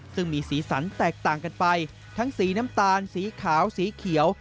ซึ่งมีสีสันแตกต่างกันไปทั้งสีน้ำตาลสีขาวสีเขียว